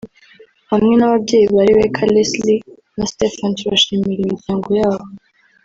hamwe n’ababyeyi ba Rebecca Lesley na Stephen turashimira imiryango